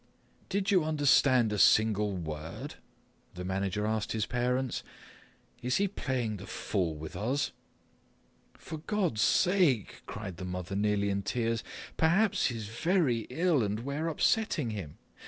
"Did you understood a single word?" the manager asked the parents, "Is he playing the fool with us?" "For God's sake," cried the mother already in tears, "perhaps he's very ill and we're upsetting him.